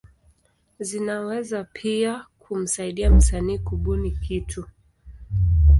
Zinaweza pia kumsaidia msanii kubuni kitu.